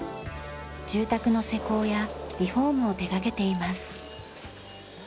住宅の施工やリフォームを手掛けています。